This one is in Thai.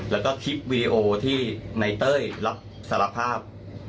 แล้วก็คลิปวีดีโอที่ในเต้ยรับสารภาพ